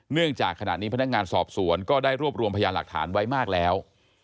เนื่องจากขณะนี้พนักงานสอบสวนก็ได้รวบรวมพยานหลักฐานไว้มากแล้ว